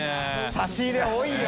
差し入れ多いよ。